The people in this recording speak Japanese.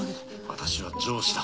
私は上司だ。